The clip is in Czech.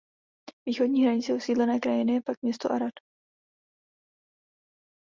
Východní hranicí osídlené krajiny je pak město Arad.